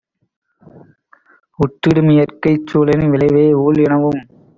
உற்றிடுமியற்கைச் சூழலின் விளைவே 'ஊழ்' எனவும்